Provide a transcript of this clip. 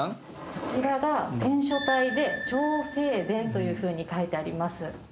こちらが篆書体で「長生殿」というふうに書いてあります。